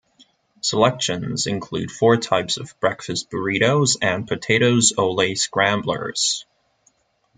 Selections include four types of breakfast burritos and Potatoes Ole Scramblers.